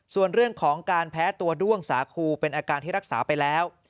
ส่วนเรื่องของการแพ้ตัวด้วงสาคูเป็นอาการที่รักษาไปแล้ว